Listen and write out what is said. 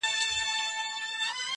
دلته « سعود » غوندې انسان ګرځي